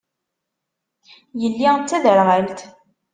Yelli d taderɣalt.